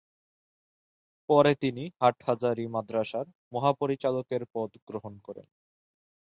পরে তিনি হাটহাজারী মাদরাসার মহাপরিচালকের পদ গ্রহণ করেন।